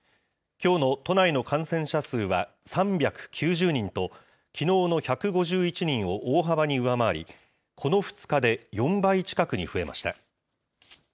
きょうの都内の感染者数は３９０人と、きのうの１５１人を大幅に上回り、この２日で４倍近くに増えました。